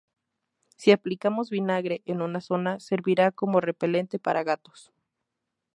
Si aplicamos vinagre en una zona servirá como repelente para gatos.